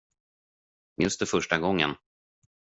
Minns du första gången?